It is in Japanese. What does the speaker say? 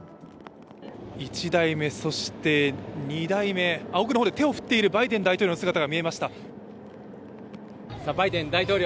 １台目、そして２台目、奥の方で手を振っているバイデン大統領の姿が見えました。